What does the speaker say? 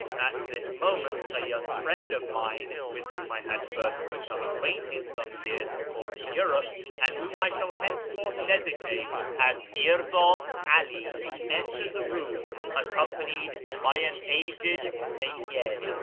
At this moment a young friend of mine, with whom I had first become acquainted some years before in Europe, and whom I shall henceforth designate as Mi'rza 'Ali, entered the room, accompanied by an aged Seyyid.